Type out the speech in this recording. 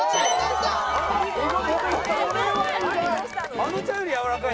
あのちゃんよりやわらかい。